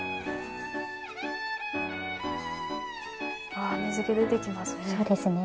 ああ水気出てきますね。